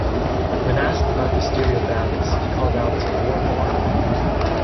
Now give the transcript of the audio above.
When asked about the stereo balance, he called out, More barn.